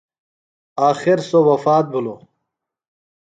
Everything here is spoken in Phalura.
آخر سوۡ وفات بھِلوۡ.